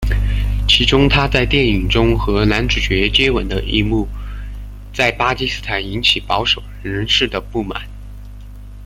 其中她在电影中和男主角的接吻一幕在巴基斯坦引起保守人士的不满。